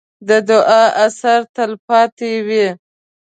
د دعا اثر تل پاتې وي.